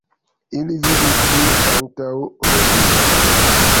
Ili vivis tie antaŭ hodiaŭ.